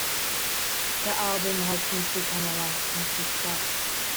The album has since became a lasting success.